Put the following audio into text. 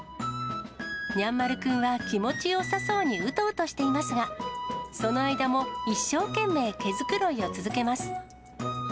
にゃん丸くんは気持ちよさそうにうとうとしていますが、その間も一生懸命毛繕いを続けます。